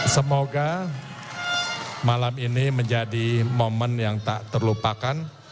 semoga malam ini menjadi momen yang tak terlupakan